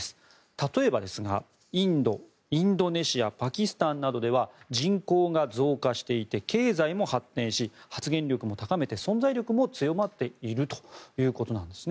例えばですがインド、インドネシアパキスタンなどでは人口が増加していて経済も発展し発言力も高めて存在力も強まっているということなんですね。